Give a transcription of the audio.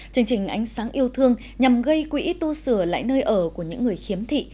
chương trình ánh sáng yêu thương nhằm gây quỹ tu sửa lãi nơi ở của những người khiếm thị